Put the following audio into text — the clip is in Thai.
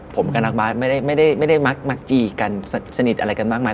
ผมกับนักบาสไม่ได้มักจีกันสนิทอะไรกันมากมาย